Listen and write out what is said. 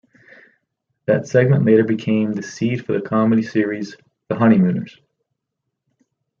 That segment later became the seed for the comedy series, "The Honeymooners".